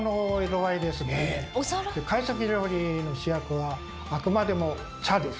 懐石料理の主役はあくまでも「茶」です。